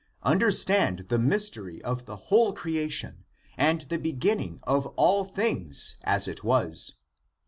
Understand the mystery of the whole creation and the beginning of all things, as it was.